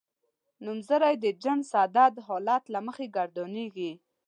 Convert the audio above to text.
نومځری د جنس عدد حالت له مخې ګردانیږي.